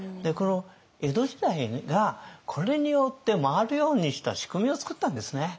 江戸時代がこれによって回るようにした仕組みを作ったんですね。